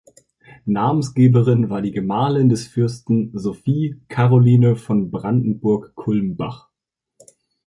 Namensgeberin war die Gemahlin des Fürsten, Sophie Karoline von Brandenburg-Kulmbach.